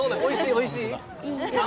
おいしい！